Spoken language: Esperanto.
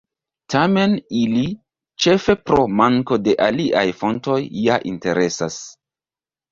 Tamen ili, ĉefe pro manko de aliaj fontoj, ja interesas.